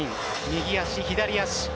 右足、左足。